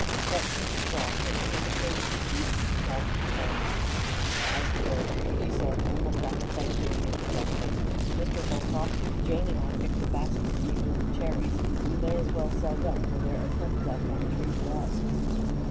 Such were the straws that were indicating the deep, dark currents. As he rose, she said almost apathetically in her dejection, "Mr. Holcroft, Jane and I picked a basket of the early cherries. You may as well sell them, for there are plenty left on the tree for us."